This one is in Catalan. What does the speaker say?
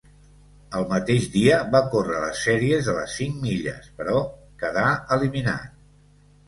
El mateix dia va córrer les sèries de les cinc milles, però quedà eliminat.